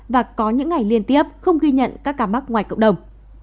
và có những ngày liên tiếp không ghi nhận các ca mắc ngoài cộng đồng